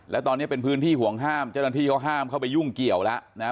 แล้วตอนนี้เป็นพื้นที่ห่วงห้ามเจ้าหน้าที่เขาห้ามเข้าไปยุ่งเกี่ยวแล้วนะฮะ